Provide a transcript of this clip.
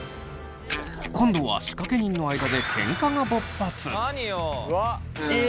今度は仕掛け人の間でケンカが勃発！